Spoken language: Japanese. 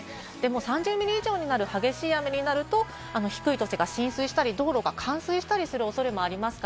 ３０ミリ以上になる激しい雨になると、低い土地が浸水したり、道路が冠水したりする恐れもあります。